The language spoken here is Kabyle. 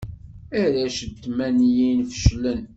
Arrac n tmanyin feclen.